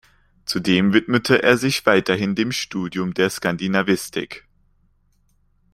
Zudem widmete er sich weiterhin dem Studium der Skandinavistik.